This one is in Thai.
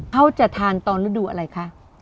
เขาจะทานตอนฤดูอะไรคะ